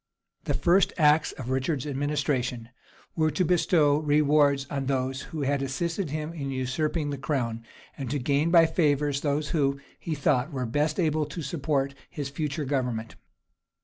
} The first acts of Richard's administration were to bestow rewards on those who had assisted him in usurping the crown, and to gain by favors those who, he thought, were best able to support his future government.